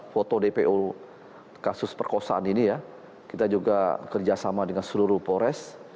foto dpo kasus perkosaan ini ya kita juga kerjasama dengan seluruh polres